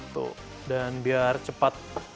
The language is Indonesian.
tuh dan biar cepat